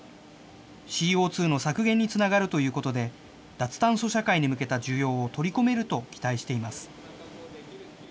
ＣＯ２の削減につながるということで、脱炭素社会に向けた需要を取り込めると期待しています。